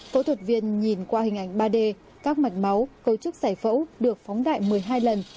phẫu thuật viên nhìn qua hình ảnh ba d các mạch máu cấu trúc giải phẫu được phóng đại một mươi hai lần